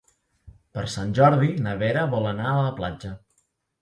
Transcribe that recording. Per Sant Jordi na Vera vol anar a la platja.